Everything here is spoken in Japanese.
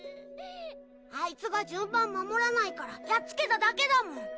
あいつが順番守らないからやっつけただけだもん